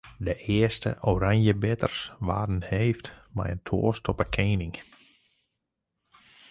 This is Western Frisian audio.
De earste oranjebitters waarden heefd mei in toast op 'e kening.